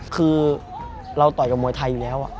คือเราต่อยกับมวยไทยอยู่แล้ว